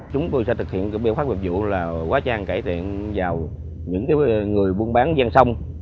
chúng tôi sẽ thực hiện quyền pháp nguyên vụ là quá trang cải thiện vào những người buôn bán gian sông